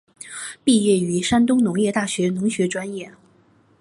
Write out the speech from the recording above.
毕业于山东农业大学农学专业。